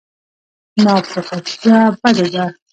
ناپوهتیا بده ده.